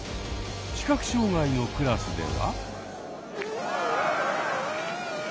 視覚障害のクラスでは。